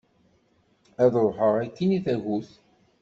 Ad ruḥeγ akin i tagut.